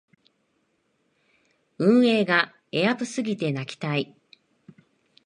運営がエアプすぎて泣きたい